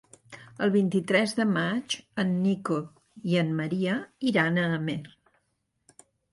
El vint-i-tres de maig en Nico i en Maria iran a Amer.